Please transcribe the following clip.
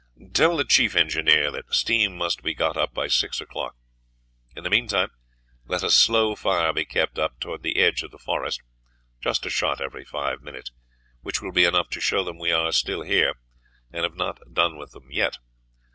Tell the chief engineer that steam must be got up by six o'clock. In the meantime, let a slow fire be kept up towards the edge of the forest, just a shot every five minutes, which will be enough to show them we are still here, and have not done with them yet.